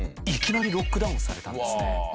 いきなりロックダウンされたんですね。